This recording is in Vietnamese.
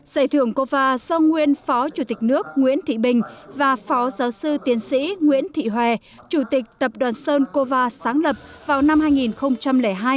giải thưởng cova do nguyên phó chủ tịch nước nguyễn thị bình và phó giáo sư tiến sĩ nguyễn thị hòe chủ tịch tập đoàn sơn kova sáng lập vào năm hai nghìn hai